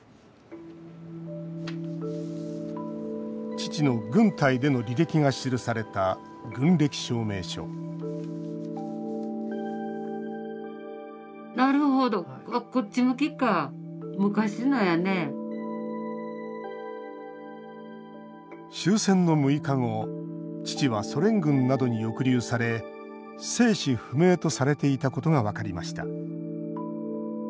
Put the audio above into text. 父の軍隊での履歴が記された軍歴証明書終戦の６日後父はソ連軍などに抑留され生死不明とされていたことが分かりました。